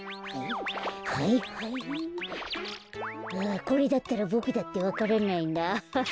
あこれだったらボクだってわからないなアハハ。